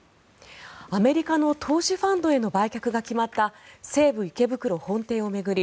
アメリカの投資ファンドへの売却が決まった西武池袋本店を巡り